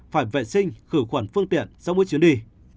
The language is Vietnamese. phải vệ sinh khử khuẩn phương tiện sau mỗi chuyến đi